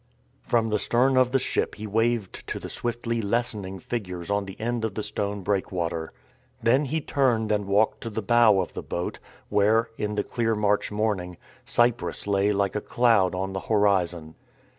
From the stern of the ship he waved to the swiftly lessening figures on the end of the stone breakwater. Then he turned and walked to the bow of the boat, where, in the clear March morning, Cyprus lay like a cloud on the horizon.